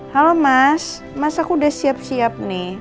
halo mas mas aku udah siap siap nih